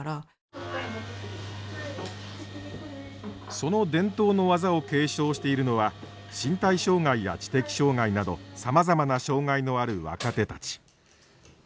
その伝統の技を継承しているのは身体障害や知的障害などさまざまな障害のある若手たち。